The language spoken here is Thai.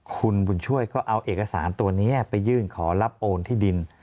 คุณบุญช่วยก็เอาเอกสารตัวนี้ไปยื่นขอรับโอนที่ดิน